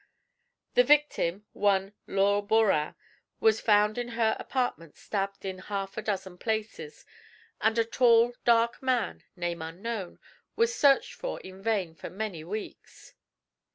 The victim, one Laure Borin, was found in her apartment stabbed in half a dozen places, and a tall, dark man, name unknown, was searched for in vain for many weeks.